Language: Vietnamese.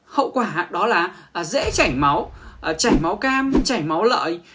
hậu quả đó là dễ chảy máu chảy máu cam chảy máu lợi